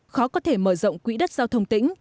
khó có thể mở rộng quỹ đất giao thông tỉnh